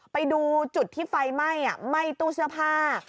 ไปดูจุดที่ไฟไหม้ไหม้ตู้เสื้อผ้า